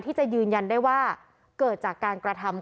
ที่จะยืนยันได้ว่าเกิดจากการกระทำ